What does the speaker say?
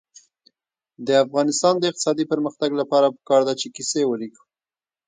د افغانستان د اقتصادي پرمختګ لپاره پکار ده چې کیسې ولیکو.